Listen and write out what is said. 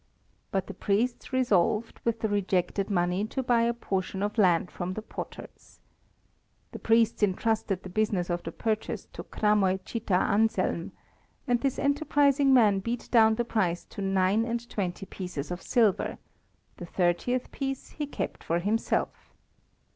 But the Priests resolved with the rejected money to buy a portion of land from the Potters. The Priests entrusted the business of the purchase to Kramoi Chita Anselm, and this enterprising man beat down the price to nine and twenty pieces of silver, the thirtieth piece he kept for himself.